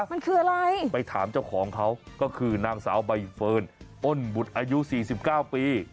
มันคืออะไรไปถามเจ้าของเขาก็คือนางสาวใบเฟิร์นอ้นบุตรอายุ๔๙ปี